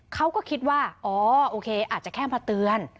เขาก็คิดว่าอ๋อโอเคอาจจะแค่มาเตือน